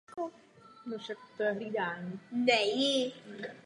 Je jednotná a sahá od kořene nosu až do poloviny čelní krajiny.